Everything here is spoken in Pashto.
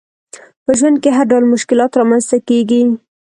په ژوند کي هرډول مشکلات رامنځته کیږي